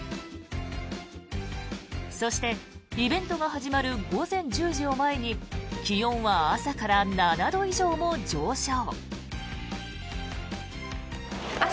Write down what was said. そして、イベントが始まる午前１０時を前に気温は朝から７度以上も上昇。